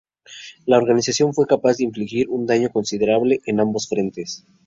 La organización fue capaz de infligir un daño considerable en ambos frentes.